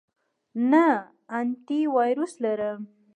نه، انټی وایرس لرم